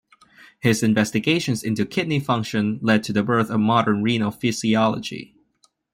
His investigations into kidney function led to the birth of modern renal physiology.